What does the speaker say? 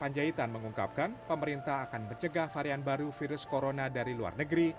panjaitan mengungkapkan pemerintah akan mencegah varian baru virus corona dari luar negeri